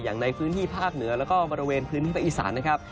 อย่างในพื้นที่ภาคเหนือแล้วก็บริเวณพื้นที่ภาคอีสานนะครับ